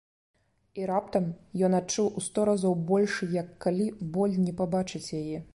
І раптам ён адчуў у сто разоў большы, як калі, боль не бачыць яе.